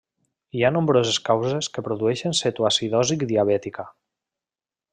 Hi ha nombroses causes que produeixen cetoacidosi diabètica.